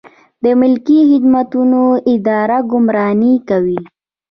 د ملکي خدمتونو اداره ګمارنې کوي